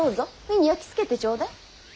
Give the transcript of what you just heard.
目に焼き付けてちょうだい。